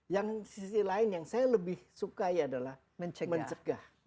yang sisi lain yang saya lebih sukai adalah mencegah